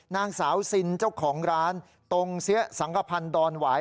นางสาวซินเจ้าของร้านตรงเสียสังกภัณฑ์ดอนหวาย